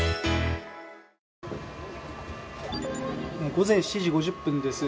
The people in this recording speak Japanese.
午前７時５０分です。